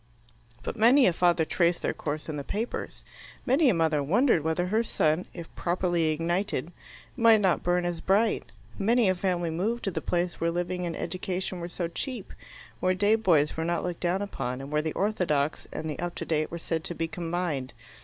But many a father traced their course in the papers; many a mother wondered whether her son, if properly ignited, might not burn as bright; many a family moved to the place where living and education were so cheap, where day boys were not looked down upon, and where the orthodox and the up to date were said to be combined.